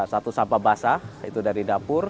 satu sampah basah itu dari dapur